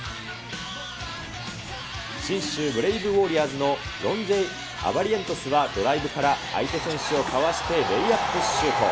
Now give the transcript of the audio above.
信州ブレイブウォリアーズのロン・ジェイ・アバリエントスはドライブから相手選手をかわしてレイアップシュート。